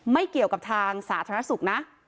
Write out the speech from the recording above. ไม่เกี่ยวกับทางสาธารณสุขนะ